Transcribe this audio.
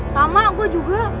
sama gua juga